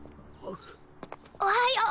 おはよう。